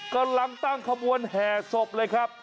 กำลังตั้งขบวนแห่ศพเลยครับ